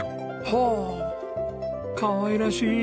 へえかわいらしい！